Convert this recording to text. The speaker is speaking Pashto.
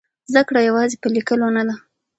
زده کړه یوازې په لیکلو نه ده.